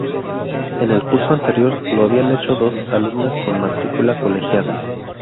En el curso anterior lo habían hecho dos alumnas con matrícula colegiada.